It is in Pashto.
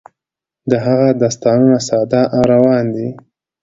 د هغه داستانونه ساده او روان دي.